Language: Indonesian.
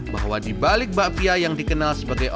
bahwa dibalik mbak pia yang dikenal sebagai orang yang berpengalaman